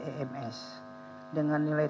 ems dengan nilai